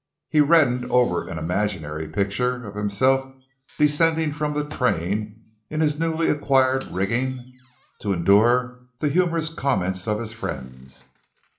He reddened over an imaginary picture of himself descending from the train in his newly acquired rigging to endure the humorous comments of his friends.